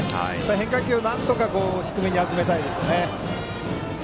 変化球をなんとか低めに集めたいですね。